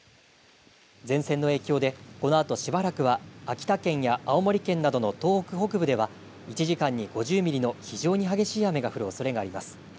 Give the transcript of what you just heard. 前線の影響でこのあとしばらくは秋田県や青森県などの東北北部では１時間に５０ミリの非常に激しい雨が降るおそれがあります。